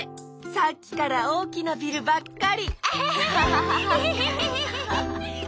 さっきからおおきなビルばっかり！